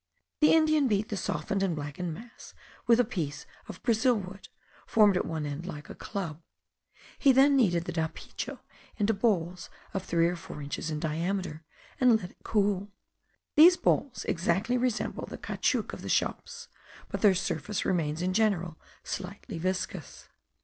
The Indian beat the softened and blackened mass with a piece of brazil wood, formed at one end like a club; he then kneaded the dapicho into balls of three or four inches in diameter, and let it cool. These balls exactly resemble the caoutchouc of the shops, but their surface remains in general slightly viscous.